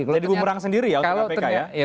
jadi digemerang sendiri ya untuk kpk ya